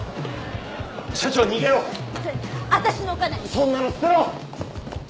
そんなの捨てろ！